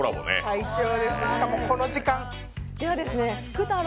最強です、しかもこの時間。